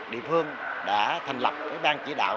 địa phương đã thành lập cái ban chỉ đạo